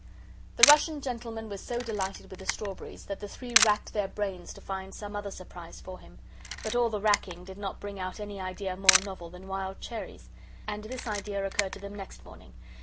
The Russian gentleman was so delighted with the strawberries that the three racked their brains to find some other surprise for him. But all the racking did not bring out any idea more novel than wild cherries. And this idea occurred to them next morning.